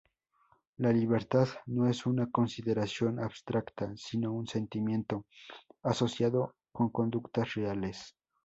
La libertad no es una consideración abstracta sino un sentimiento asociado con conductas reales.